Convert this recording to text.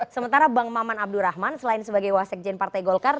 sementara bang maman abdurrahman selain sebagai wasekjen partai golkar